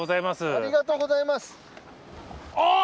ありがとうございます。